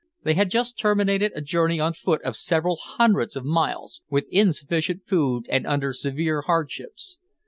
They had just terminated a journey on foot of several hundreds of miles, with insufficient food and under severe hardships.